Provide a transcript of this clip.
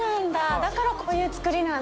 だからこういう作りなんだ。